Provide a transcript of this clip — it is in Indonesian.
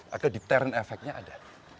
agar deterren efeknya ada